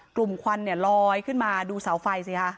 ควันเนี่ยลอยขึ้นมาดูเสาไฟสิคะ